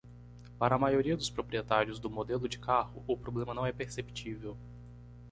Para a maioria dos proprietários do modelo de carro?, o problema não é perceptível.